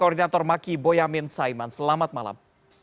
dari kantor maki boyamin saiman selamat malam